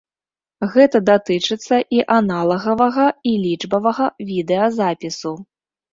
Гэта датычыцца і аналагавага і лічбавага відэазапісу.